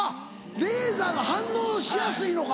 レーザーが反応しやすいのか。